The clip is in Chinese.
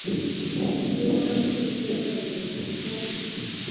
机关驻地位于宁波市。